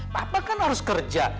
papa kan harus kerja